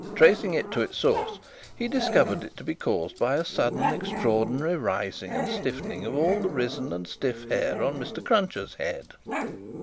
Tracing it to its source, he discovered it to be caused by a sudden extraordinary rising and stiffening of all the risen and stiff hair on Mr. Cruncher's head.